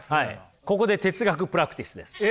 ここで哲学プラクティスです。